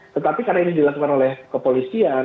tetapi karena ini dilakukan oleh kepolisian